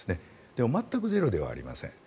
でも全くゼロではありません。